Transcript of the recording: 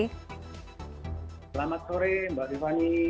selamat sore mbak tiffany